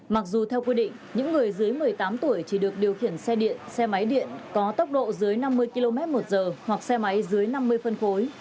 mặc dù theo quy định những người dưới một mươi tám tuổi chỉ được điều khiển xe điện xe máy điện có tốc độ dưới năm mươi km một giờ hoặc xe máy dưới năm mươi phân khối